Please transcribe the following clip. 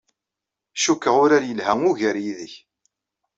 Cikkeɣ urar yelha ugar yid-k.